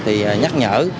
thì nhắc nhở